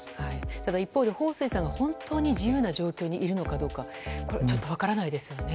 ただ、一方でホウ・スイさんが本当に自由な状況にいるのかどうか分からないですよね。